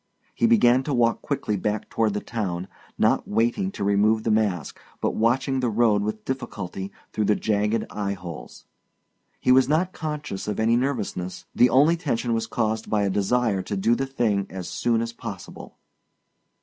He began to walk quickly back toward town, not waiting to remove the mask but watching the road with difficulty through the jagged eye holes. He was not conscious of any nervousness ... the only tension was caused by a desire to do the thing as soon as possible.